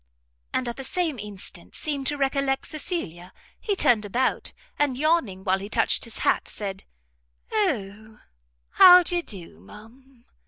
and, at the same instant, seeming to recollect Cecilia, he turned about, and yawning while he touched his hat, said, "O, how d'ye do, ma'am?"